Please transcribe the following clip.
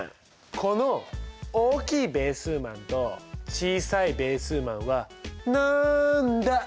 この大きいベー数マンと小さいベー数マンはなんだ？